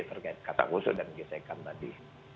terkait kata usul dan gisekan tadi